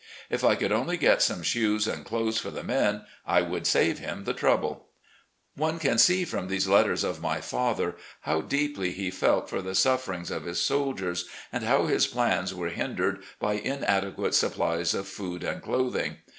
If I could only get some shoes and clothes for the men, I would save him the trouble. ..." One can see from these letters of my father how deeply he felt for the sufferings of his soldiers, and how his plans were hindered by inadequate supplies of food and clothing.